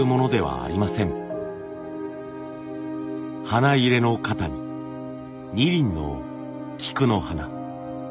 花入れの肩に２輪の菊の花。